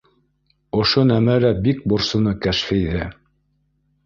Ошо нәмә лә бик борсоно Кәшфиҙе